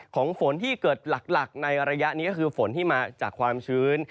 ฝนที่เกิดหลักในระยะนี้ก็คือฝนที่มาจากความชื้น